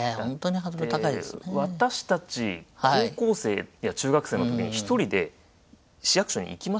私たち高校生や中学生の時に一人で市役所に行きましたか？